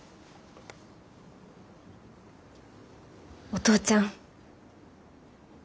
お父ちゃん